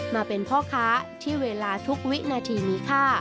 มาเป็นพ่อค้าที่เวลาทุกวินาทีมีค่า